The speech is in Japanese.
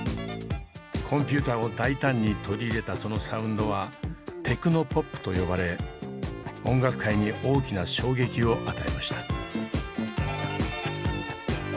コンピューターを大胆に取り入れたそのサウンドはテクノポップと呼ばれ音楽界に大きな衝撃を与えました。